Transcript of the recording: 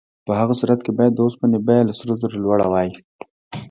په هغه صورت کې باید د اوسپنې بیه له سرو زرو لوړه وای.